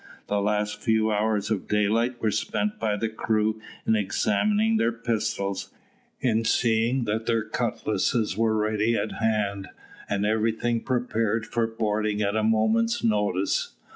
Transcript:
The last few hours of daylight were spent by the crew in examining their pistols, in seeing that their cutlasses were ready at hand, and everything prepared for boarding at a moment's notice.